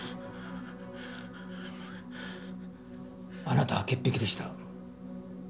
あなたは潔癖でした。